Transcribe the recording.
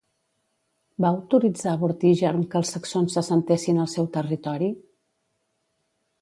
Va autoritzar Vortigern que els saxons s'assentessin al seu territori?